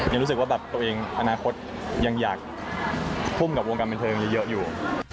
ยังรู้สึกว่าแบบตัวเองอนาคตยังอยากทุ่มกับวงการบันเทิงเยอะอยู่